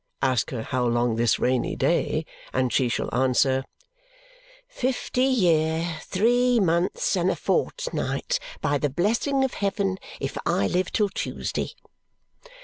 Ask her how long, this rainy day, and she shall answer "fifty year, three months, and a fortnight, by the blessing of heaven, if I live till Tuesday."